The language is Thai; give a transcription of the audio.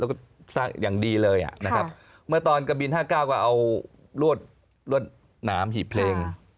แล้วก็สร้างอย่างดีเลยอ่ะนะครับเมื่อตอนกะบิน๕๙ก็เอารวดหนามหีบเพลง